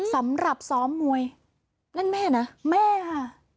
สำหรับซ้อมมวยนั่นแม่นะแม่ค่ะ